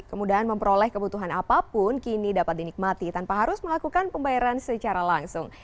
kemudahan memperoleh kebutuhan apapun kini dapat dinikmati tanpa harus melakukan pembayaran secara langsung